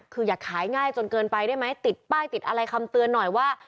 คืออยากขายง่ายจนเกินไปได้ไหมติดป้ายติดอะไรคำเตือนหน่อยว่า